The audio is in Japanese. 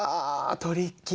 トリッキー？